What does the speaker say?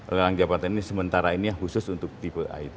lelang jabatan ini sementara ini khusus untuk tipe a itu dulu